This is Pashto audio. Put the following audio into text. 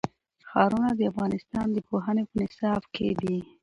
ښارونه د افغانستان د پوهنې په نصاب کې دي.